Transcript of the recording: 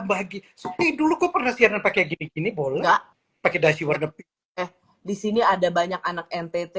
bagi seperti dulu gue pernah siaran pakai gini gini boleh pakai dasi warder peak di sini ada banyak anak ntt